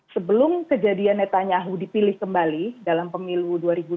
sebelum kejadian netanyahu dipilih kembali dalam pemilu dua ribu dua puluh